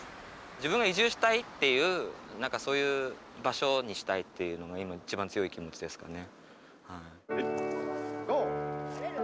自分が移住したいっていう何かそういう場所にしたいっていうのが今一番強い気持ちですかね。